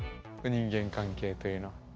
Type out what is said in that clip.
人間関係というのは。